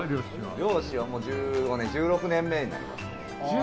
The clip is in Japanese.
漁師は１６年目になります。